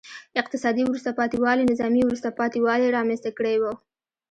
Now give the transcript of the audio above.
اقتصادي وروسته پاتې والي نظامي وروسته پاتې والی رامنځته کړی و.